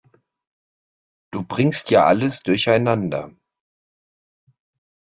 Du bringst ja alles durcheinander.